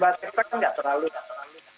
bahasa indonesia kan tidak terlalu sering